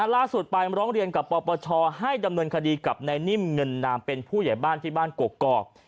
ล่าสุดไปร้องเรียนกับปปชให้ดำเนินคดีกับนายนิ่มเงินนามเป็นผู้ใหญ่บ้านที่บ้านกกอก